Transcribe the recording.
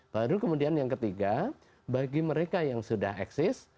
baru kemudian yang ketiga bagi mereka yang sudah eksis